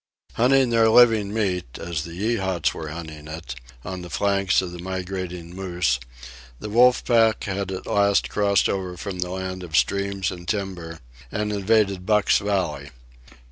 Hunting their living meat, as the Yeehats were hunting it, on the flanks of the migrating moose, the wolf pack had at last crossed over from the land of streams and timber and invaded Buck's valley.